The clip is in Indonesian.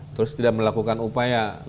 terus tidak melakukan upaya